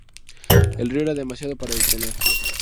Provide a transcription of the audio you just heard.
El río era demasiado para detener.